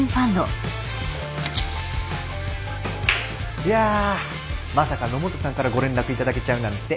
いやぁまさか野本さんからご連絡いただけちゃうなんて。